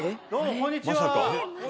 こんにちは。